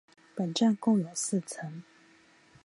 本站共有四层。